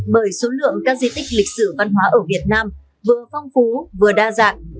bởi số lượng các di tích lịch sử văn hóa ở việt nam vừa phong phú vừa đa dạng